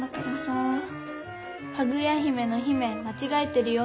「かぐや姫」の「姫」まちがえてるよ。